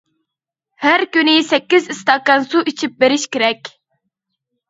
ھەر كۈنى سەككىز ئىستاكان سۇ ئىچىپ بېرىش كېرەك.